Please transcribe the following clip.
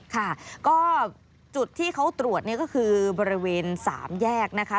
ก็จุดที่เขาตรวจก็คือบริเวณสามแยกนะคะ